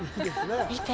見て！